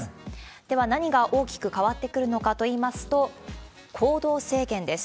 では、何が大きく変わってくるのかといいますと、行動制限です。